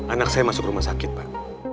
anak saya masuk rumah sakit pak